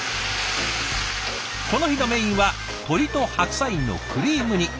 この日のメインは鶏と白菜のクリーム煮。